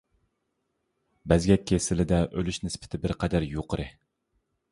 بەزگەك كېسىلىدە ئۆلۈش نىسبىتى بىر قەدەر يۇقىرى.